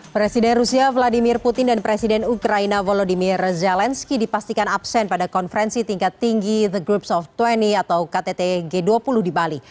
presiden rusia vladimir putin dan presiden ukraina volodymyr zelensky dipastikan absen pada konferensi tingkat tinggi the groups of dua puluh atau ktt g dua puluh di bali